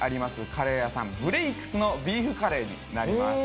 カレー屋さん、Ｂｌａｋｅｓのビーフカレーになります。